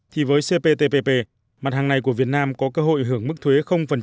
thì với cptpp mặt hàng này của việt nam có cơ hội hưởng mức thuế